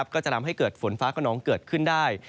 ก็จะทำให้เกิดฝนฟ้าขนองเกิดขึ้นได้